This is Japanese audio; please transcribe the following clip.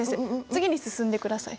次に進んでください。